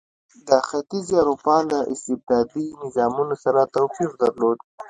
د ختیځې اروپا له استبدادي نظامونو سره توپیر درلود.